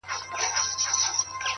خپل اصول مه پلورئ!